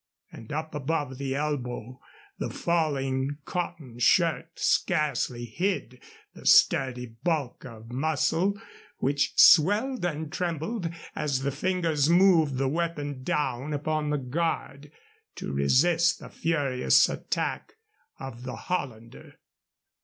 And up above the elbow the falling cotton shirt scarcely hid the sturdy bulk of muscle which swelled and trembled as the fingers moved the weapon down upon guard to resist the furious attack of the Hollander.